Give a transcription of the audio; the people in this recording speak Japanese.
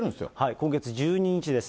今月１２日です。